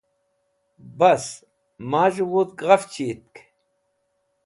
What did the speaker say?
bas maz̃h'ey vudg ghafch yitk